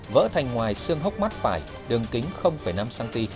vỡ thành ngoài xương hốc mắt phải đường kính năm cm